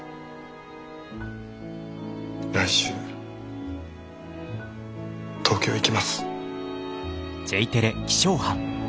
来週東京行きます。